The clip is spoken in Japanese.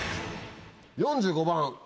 ４５番。